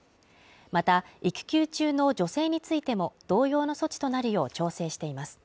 また育休中の女性についても同様の措置となるよう調整しています。